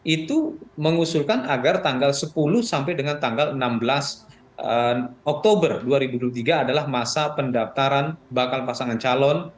itu mengusulkan agar tanggal sepuluh sampai dengan tanggal enam belas oktober dua ribu dua puluh tiga adalah masa pendaftaran bakal pasangan calon